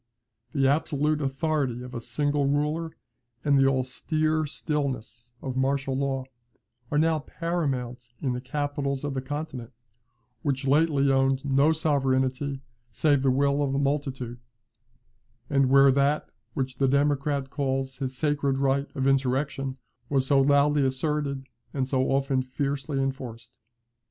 The absolute authority of a single ruler, and the austere stillness of martial law, are now paramount in the capitals of the continent, which lately owned no sovereignty save the will of the multitude; and where that which the democrat calls his sacred right of insurrection, was so loudly asserted and so often fiercely enforced.